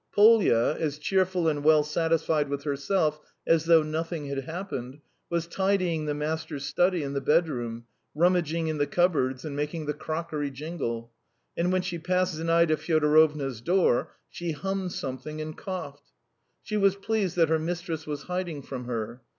Polya, as cheerful and well satisfied with herself as though nothing had happened, was tidying the master's study and the bedroom, rummaging in the cupboards, and making the crockery jingle, and when she passed Zinaida Fyodorovna's door, she hummed something and coughed. She was pleased that her mistress was hiding from her.